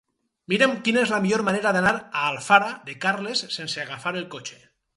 Mira'm quina és la millor manera d'anar a Alfara de Carles sense agafar el cotxe.